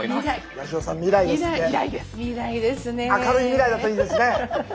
明るい未来だといいですね。